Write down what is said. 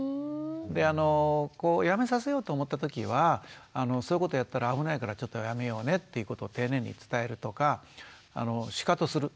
であのやめさせようと思ったときはそういうことやったら危ないからちょっとやめようねっていうことを丁寧に伝えるとかしかとする。